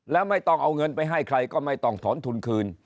แล้วไม่ต้องเอาเงินไปให้ใครก็ไม่ต้องถอนทุนคืน